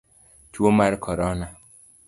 Tuo mar korona.